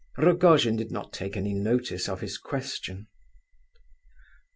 Rogojin did not take any notice of his question.